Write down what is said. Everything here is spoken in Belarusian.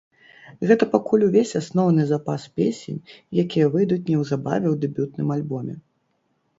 Гэта пакуль увесь асноўны запас песень, якія выйдуць неўзабаве ў дэбютным альбоме.